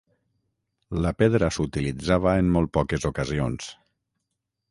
La pedra s'utilitzava en molt poques ocasions.